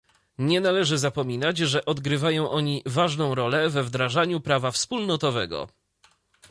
Nie należy zapominać, że odgrywają oni ważną rolę we wdrażaniu prawa wspólnotowego